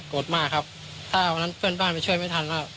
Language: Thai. โกรธมากครับถ้าเอาอันนั้นเพื่อนบ้านไปช่วยไม่ทัน